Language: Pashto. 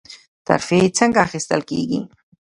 ترفیع څنګه اخیستل کیږي؟